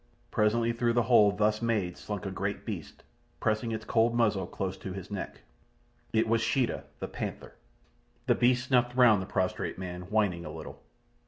Presently through the hole thus made slunk a great beast, pressing its cold muzzle close to his neck. It was Sheeta, the panther. The beast snuffed round the prostrate man, whining a little.